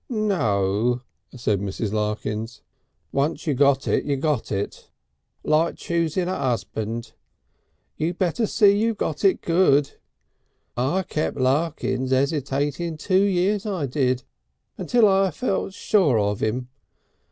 "No," said Mrs. Larkins, "once you got it you got it. Like choosing a 'usband. You better see you got it good. I kept Larkins 'esitating two years I did, until I felt sure of him.